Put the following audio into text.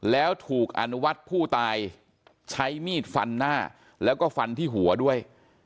แล้วถูกอนุวัฒน์ผู้ตายใช้มีดฟันหน้าแล้วก็ฟันที่หัวด้วย